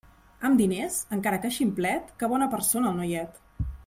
Amb diners, encara que ximplet, que bona persona el noiet!